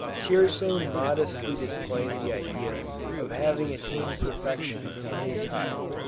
Dzierzon modestly disclaimed the idea of having attained perfection in his hive.